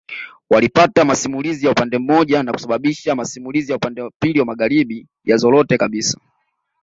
Walipata masimulizi ya upande mmoja na kusababisha masimulizi ya upande wa magharibi yazorote kabisa